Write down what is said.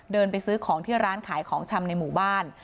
เดินไปซื้อของที่ร้านขายของชำในหมู่บ้าน